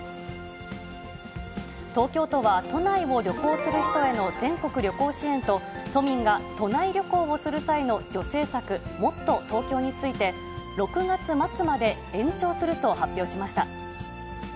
東京都は、都内を旅行する人への全国旅行支援と、都民が都内旅行をする際の助成策、もっとＴｏｋｙｏについて、６月末まで延長すると発表しました。